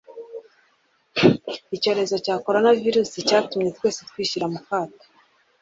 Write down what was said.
Icyorezo cya koronaviruzi cyatumye twese twishyira mu kato